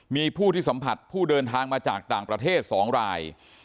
มีผู้ที่สัมผัสผู้เดินทางมาจากต่างประเทศ๒ราย